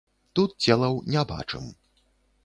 Тут целаў не бачым.